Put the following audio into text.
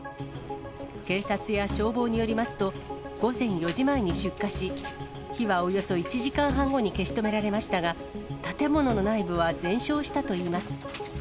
警察や消防によりますと、午前４時前に出火し、火はおよそ１時間半後に消し止められましたが、建物の内部は全焼したといいます。